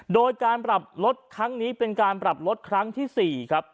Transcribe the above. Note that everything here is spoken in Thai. โดยการปรับลดครั้งนี้เป็นการปรับลดครั้งที่๔ครับ